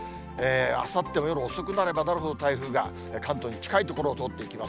あさっても夜遅くなればなるほど、台風が関東に近い所を通っていきます。